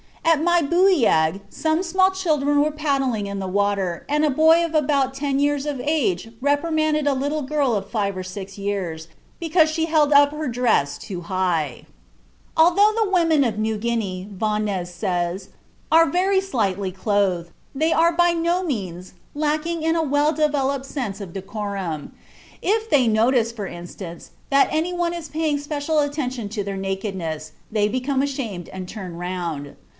"At Mabuiag, some small children were paddling in the water, and a boy of about ten years of age reprimanded a little girl of five or six years because she held up her dress too high." (Reports of the Cambridge Anthropological Expedition to Torres Straits, vol. v, p. 272.) "Although the women of New Guinea," Vahness says, "are very slightly clothed, they are by no means lacking in a well developed sense of decorum. If they notice, for instance, that any one is paying special attention to their nakedness, they become ashamed and turn round."